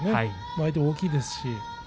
相手は大きいですし。